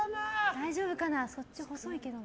大丈夫かな、そっち細いけどな。